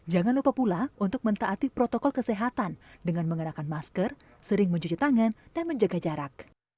jangan lupa pula untuk mentaati protokol kesehatan dengan mengenakan masker sering mencuci tangan dan menjaga jarak